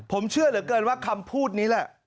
ผมเชื่อเหลือเกินว่าคำพูดนี้แหละ